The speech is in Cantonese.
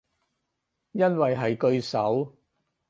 因為喺句首